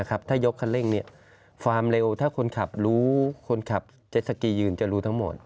ความเร็วถ้าคนขับรู้คนขับจะสกียืนจะรู้ทั้งหมด